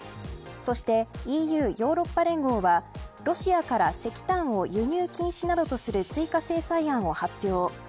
そしてＥＵ、ヨーロッパ連合はロシアから石炭を輸入禁止などとする追加制裁案を発表。